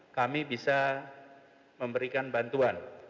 kami bisa memberikan bantuan